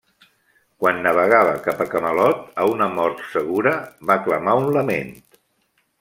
Quan navegava cap a Camelot a una mort segura, va clamar un lament.